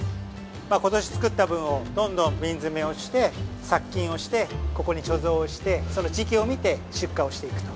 ◆ことし造った分をどんどん瓶詰をして殺菌をして、ここに貯蔵して時期を見て出荷をしていくと。